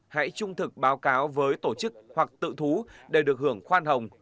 hãy trung thực báo cáo với tổ chức hoặc tự thú để được hưởng khoan hồng